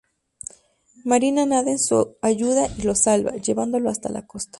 Marina nada en su ayuda y lo salva, llevándolo hasta la costa.